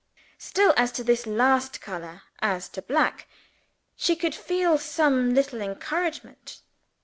Still, as to this last color as to black she could feel some little encouragement.